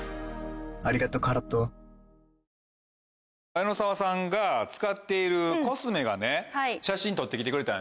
江野沢さんが使っているコスメ写真撮って来てくれたんよね。